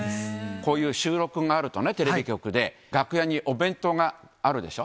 こういう収録があると、テレビ局で楽屋にお弁当があるでしょ。